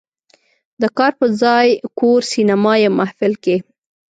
"د کار په ځای، کور، سینما یا محفل" کې